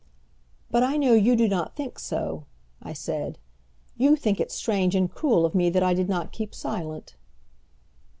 "But I know you do not think so," I said. "You think it strange and cruel of me that I did not keep silent."